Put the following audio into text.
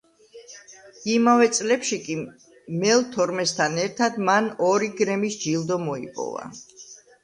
იმავე წლებში კი მელ თორმესთან ერთად მან ორი გრემის ჯილდო მოიპოვა.